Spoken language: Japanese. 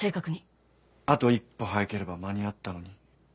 あと一歩早ければ間に合ったのに。